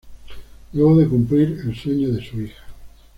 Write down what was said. Luego de cumplir el sueño de su hija.